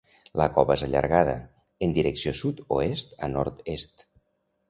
La cova és allargada, en direcció sud-oest a nord-est.